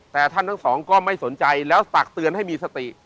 แต่ท่านทั้งสองก็ไม่สนใจแล้วตักเตือนให้มีสติ